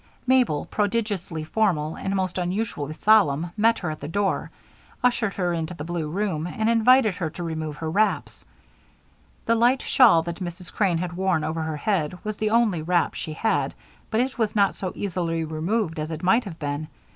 Mabel, prodigiously formal and most unusually solemn, met her at the door, ushered her into the blue room, and invited her to remove her wraps. The light shawl that Mrs. Crane had worn over her head was the only wrap she had, but it was not so easily removed as it might have been.